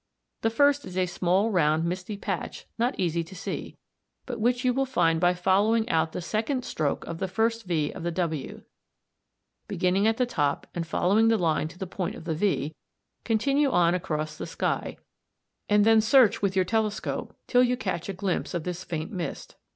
The first is a small round misty patch not easy to see, but which you will find by following out the second stroke of the first V of the W. Beginning at the top, and following the line to the point of the V, continue on across the sky, and then search with your telescope till you catch a glimpse of this faint mist (c, Fig. 58; star cluster, Fig. 61).